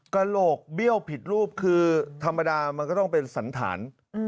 กระโหลกเบี้ยวผิดรูปคือธรรมดามันก็ต้องเป็นสันฐาน